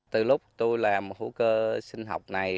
từ lúc tôi làm hữu cơ sinh học này